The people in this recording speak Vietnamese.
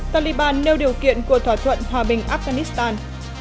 taliban nêu điều kiện của thỏa thuận hòa bình afghanistan